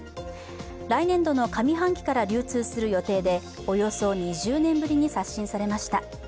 来年度の上半期から流通する予定でおよそ２０年ぶりに刷新されました。